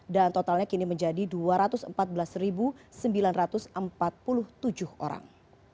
dan totalnya kini menjadi dua ratus empat belas sembilan ratus empat puluh tujuh orang